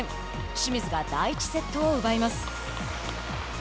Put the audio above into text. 清水が第１セットを奪います。